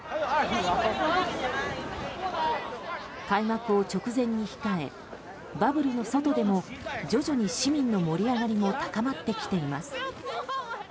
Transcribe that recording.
開幕を直前に控えバブルの外でも徐々に市民の盛り上がりも高まってきています。